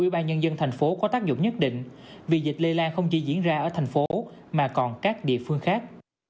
ubnd tp hcm có tác dụng nhất định vì dịch lây lan không chỉ diễn ra ở tp hcm mà còn các địa phương khác